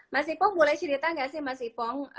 mas ipong boleh cerita nggak sih mas ipong